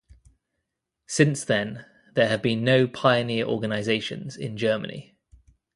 Since then, there have been no pioneer organisations in Germany.